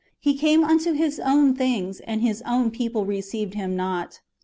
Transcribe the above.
He came unto His own [things], and His own [people] received Him not."